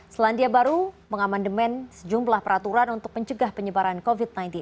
selandia baru mengamandemen sejumlah peraturan untuk mencegah penyebaran covid sembilan belas